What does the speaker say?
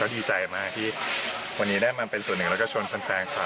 ดีใจมากที่วันนี้ได้มาเป็นส่วนหนึ่งแล้วก็ชวนแฟนค่ะ